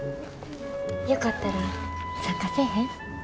よかったら参加せえへん？